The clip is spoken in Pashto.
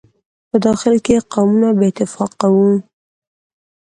په داخل کې یې قومونه بې اتفاقه وو.